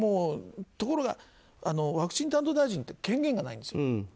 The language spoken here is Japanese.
ところがワクチン担当大臣って権限がないんです。